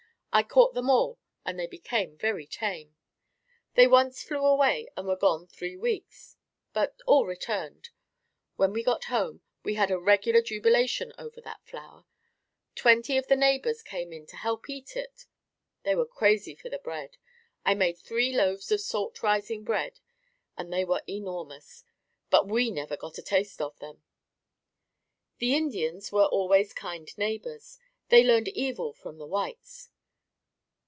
I caught them all and they became very tame. They once flew away and were gone three weeks, but all returned. When we got home, we had a regular jubilation over that flour. Twenty of the neighbors came in to help eat it. They were crazy for the bread. I made three loaves of salt rising bread and they were enormous, but we never got a taste of them. The Indians were always kind neighbors. They learned evil from the whites.